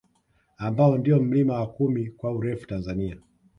Ambao ndio mlima wa kumi kwa urefu Tanzania